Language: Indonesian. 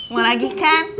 mau lagi kan